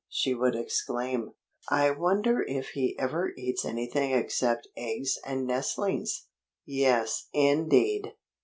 she would exclaim. "I wonder if he ever eats anything except eggs and nestlings." "Yes, indeed!"